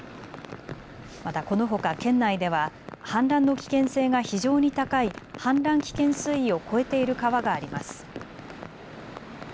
またこのほか県内では氾濫の危険性が非常に高い氾濫危険水位を超えている川があります。